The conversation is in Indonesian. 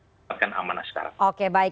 dapatkan amanah sekarang